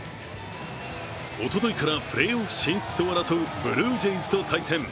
おとといからプレーオフ進出を争うブルージェイズと対戦。